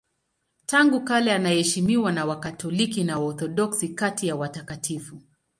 Tangu kale anaheshimiwa na Wakatoliki na Waorthodoksi kati ya watakatifu.